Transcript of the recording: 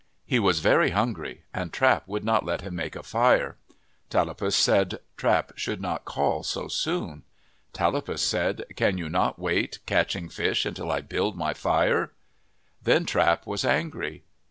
He was very hungry and Trap would not let him make a fire. Tallapus said Trap should not call so soon. Tallapus said, " Can you not wait catching fish until I build my fire?' : Then Trap was angry.